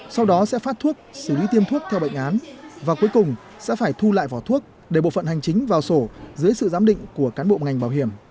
sau đó sẽ phát thuốc xử lý tiêm thuốc theo bệnh án và cuối cùng sẽ phải thu lại vỏ thuốc để bộ phận hành chính vào sổ dưới sự giám định của cán bộ ngành bảo hiểm